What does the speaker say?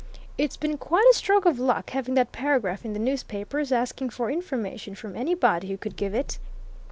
"It's been quite a stroke of luck having that paragraph in the newspapers, asking for information from anybody who could give it!"